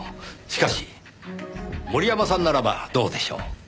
しかし森山さんならばどうでしょう？